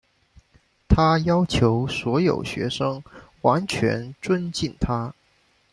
她要求所有学生完全尊敬她。